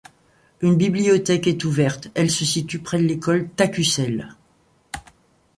Une bibliothèque est ouverte, elle se situe près de l'école Tacussel.